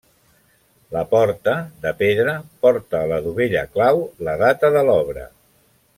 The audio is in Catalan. La porta, de pedra, porta a la dovella clau la data de l'obra.